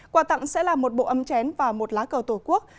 quà tặng sẽ là một bộ ấm chén và một lá cờ tổ quốc